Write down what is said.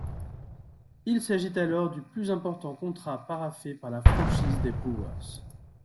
Il s'agit alors du plus important contrat paraphé par la franchise des Brewers.